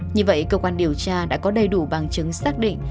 như vậy cơ quan điều tra đã có đầy đủ bằng chứng xác định